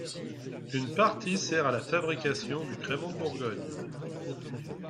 Une partie sert à la fabrication du crémant de Bourgogne.